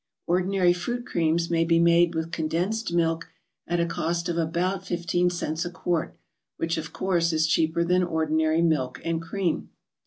Ordinary fruit creams may be made with condensed milk at a cost of about fifteen cents a quart, which, of course, is cheaper than ordinary milk and cream.